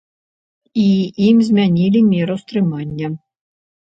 І ім змянілі меру стрымання.